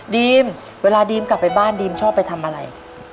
ีมเวลาดีมกลับไปบ้านดีมชอบไปทำอะไร